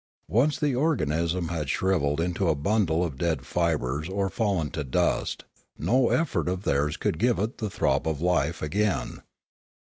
Once the organism had shrivelled into a bundle of dead fibres or fallen to dust, no effort of theirs could give it the throb of life again.